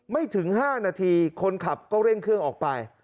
ไม่ถึง๕นาทีคนขับก็เร่งเครื่องออกไป